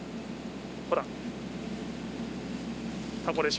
ほら。